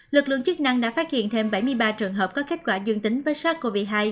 lực lượng chức năng đã phát hiện thêm bảy mươi ba trường hợp có kết quả dương tính với sars cov hai